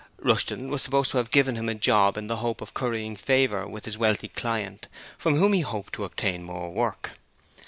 Rushton was supposed to have given him a job in the hope of currying favour with his wealthy client, from whom he hoped to obtain more work.